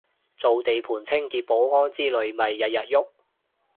做地盤清潔保安之類咪日日郁